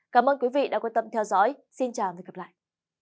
cảm ơn quý vị đã quan tâm theo dõi xin chào và hẹn gặp lại